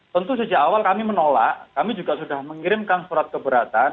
tentu sejak awal kami menolak kami juga sudah mengirimkan surat keberatan